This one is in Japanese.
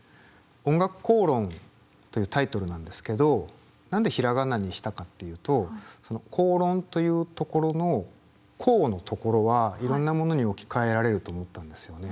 「おんがくこうろん」というタイトルなんですけど何で平仮名にしたかっていうとその公論というところの公のところはいろんなものに置き換えられると思ったんですよね。